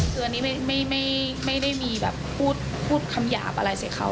คืออันนี้ไม่ได้มีแบบพูดคำหยาบอะไรใส่เขา